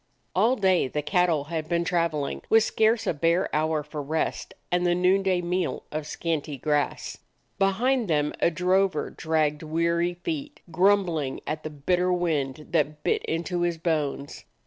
All day the cattle had been traveling, with scarce a bare hour for rest and the noonday meal of scanty grass. Behind them a drover dragged weary feet, grumbling at the bitter wind that bit into his bones.